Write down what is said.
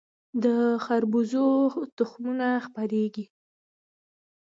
د خربوزې تخمونه پخیږي.